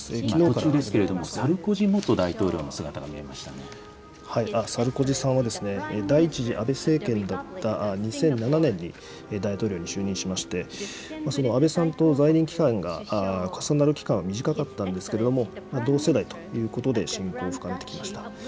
途中ですけれども、サルコジサルコジさんは、第１次安倍政権だった２００７年に大統領に就任しまして、その安倍さんと在任期間が重なる期間は短かったんですけれども、同世代ということで、親交を深めてきました。